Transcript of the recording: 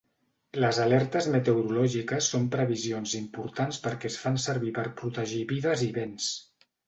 Les alertes meteorològiques són previsions importants perquè es fan servir per protegir vides i béns.